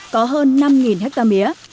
có hơn năm hectare mía